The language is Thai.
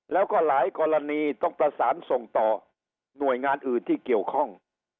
แล้วก็หลายกรณีต้องประสานส่งต่อหน่วยงานอื่นที่เกี่ยวข้อง